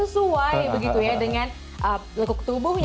tapi dengan lekuk tubuhnya